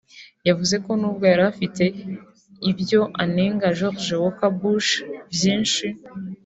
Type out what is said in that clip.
yavuze ko nubwo yari afite ibyo anenga George W Bush byinshi